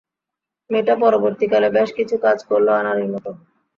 মেয়েটা পরবর্তীকালে বেশ কিছু কাজ করল আনাড়ির মতো।